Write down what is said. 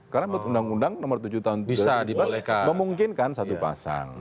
karena menurut undang undang nomor tujuh tahun dua ribu tujuh belas memungkinkan satu pasang